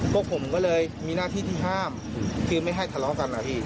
พวกผมก็เลยมีหน้าที่ที่ห้ามคือไม่ให้ทะเลาะกันนะพี่